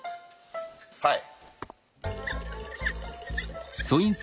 はい。